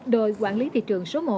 đội quản lý thị trường số một